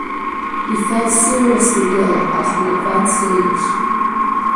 He fell seriously ill at an advanced age.